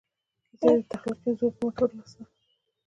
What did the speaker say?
کیسه یې د تخلیقي زور په مټ ولوسته.